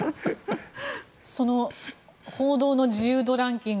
報道の自由度ランキング